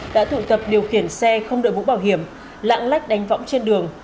đã tụ tập điều khiển xe không đội mũ bảo hiểm lạng lách đánh võng trên đường